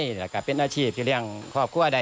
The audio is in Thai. เป็นอาชีพที่กับเขาครอบครัวใด